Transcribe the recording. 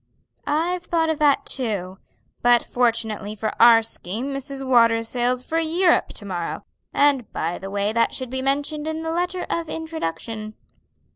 "I've thought of that too, but fortunately for our scheme Mrs. Waters sails for Europe to morrow; and by the way that should be mentioned in the letter of introduction."